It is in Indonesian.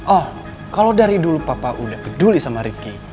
oh kalo dari dulu papa udah peduli sama rifqi